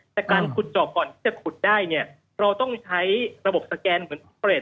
แต่การขุดเจาะก่อนที่จะขุดได้เนี่ยเราต้องใช้ระบบสแกนเหมือนเปรต